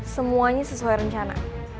semuanya sesuai rencana